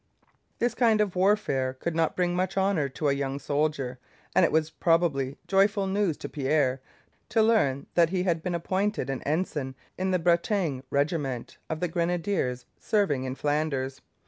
This kind of warfare could not bring much honour to a young soldier, and it was probably joyful news to Pierre to learn that he had been appointed an ensign in the Bretagne regiment of the Grenadiers serving in Flanders.